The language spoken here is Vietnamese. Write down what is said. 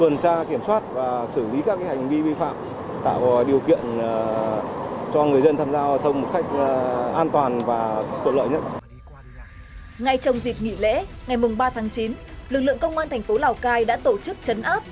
ngay trong dịp nghỉ lễ ngày ba tháng chín lực lượng công an thành phố lào cai đã tổ chức chấn áp